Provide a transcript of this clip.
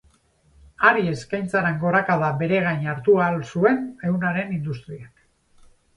Hari eskaintzaren gorakada bere gain hartu ahal zuen ehunaren industriak.